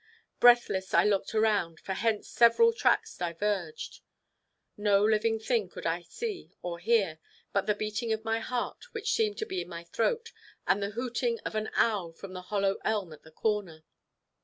Breathless I looked around, for hence several tracks diverged. No living thing could I see or hear, but the beating of my heart, which seemed to be in my throat, and the hooting of an owl from the hollow elm at the corner.